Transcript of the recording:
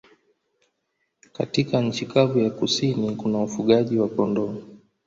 Katika nchi kavu ya kusini kuna ufugaji wa kondoo.